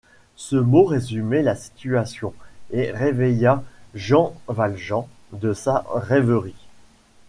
Ce mot résumait la situation, et réveilla Jean Valjean de sa rêverie.